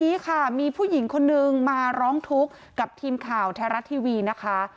นี้ค่ะมีผู้หญิงคนนึงมาร้องทุกข์กับทีมข่าวไทยรัฐทีวีนะคะ